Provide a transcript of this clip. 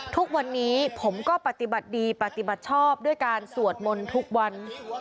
ทุกวันนี้ผมก็ปฏิบัติดีปฏิบัติชอบด้วยการสวดมนต์ทุกวัน